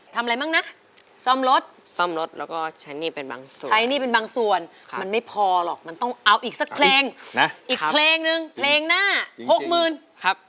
ทำอะไรบ้างนะซ่อมรถซ่อมรถแล้วก็ใช้หนี้เป็นบางส่วนใช้หนี้เป็นบางส่วนมันไม่พอหรอกมันต้องเอาอีกสักเพลงนะอีกเพลงนึงเพลงหน้าหกหมื่นครับ